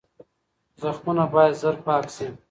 زخمونه باید زر پاک شي.